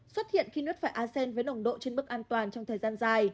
xuất hiện khi nuốt phải a sen với nồng độ trên bức an toàn trong thời gian dài